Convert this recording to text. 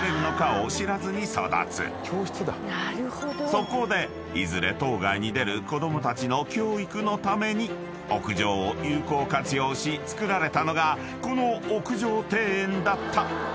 ［そこでいずれ島外に出る子供たちの教育のために屋上を有効活用し造られたのがこの屋上庭園だった］